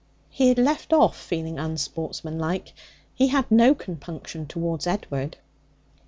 He had left off feeling unsportsmanlike. He had no compunction towards Edward.